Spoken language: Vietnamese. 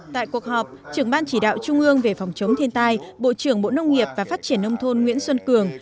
tại cuộc họp trưởng ban chỉ đạo trung ương về phòng chống thiên tai bộ trưởng bộ nông nghiệp và phát triển nông thôn nguyễn xuân cường